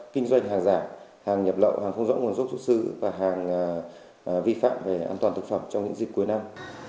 kinh doanh hàng giả hàng nhập lậu hàng không rõ nguồn gốc xuất xứ và hàng vi phạm về an toàn thực phẩm trong những dịp cuối năm